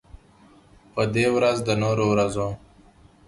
په دې ورځ د نورو ورځو